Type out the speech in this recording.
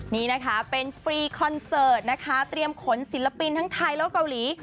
นี่นะคะเป็นฟรีคอนเสิร์ตนะคะเตรียมขนศิลปินทั้งไทยและเกาหลี